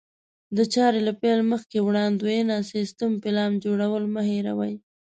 د چارې له پيل مخکې وړاندوینه، سيستم، پلان جوړول مه هېروئ.